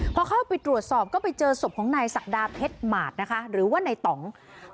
พอเข้าไปตรวจสอบก็ไปเจอศพของนายศักดาเพชรหมาดนะคะหรือว่าในต่อง